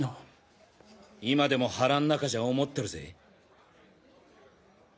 今でも腹ん中じゃ思ってるぜ。